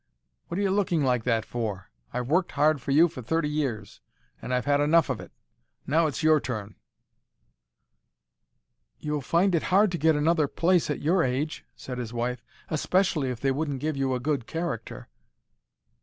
What are you looking like that for? I've worked hard for you for thirty years, and I've had enough of it. Now it's your turn." "You'd find it hard to get another place at your age," said his wife; "especially if they wouldn't give you a good character."